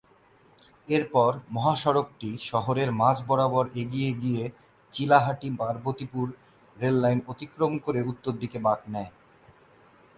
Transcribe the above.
এরপর মহাসড়কটি শহরের মাঝ বরাবর এগিয়ে গিয়ে চিলাহাটি-পার্বতীপুর রেল লাইন অতিক্রম করে এবং উত্তর দিকে বাক নেয়।